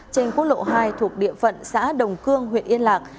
trên quốc lộ hai thuộc địa phận xã đồng cương huyện yên lạc